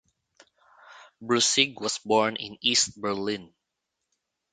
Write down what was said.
Brussig was born in East Berlin.